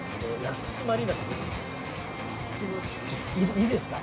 いいですか？